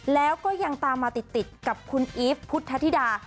แล้วก็ยังตามมาติดกับคุณอีฟพุทธธิดา